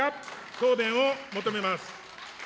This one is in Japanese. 答弁を求めます。